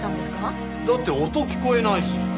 だって音聞こえないし。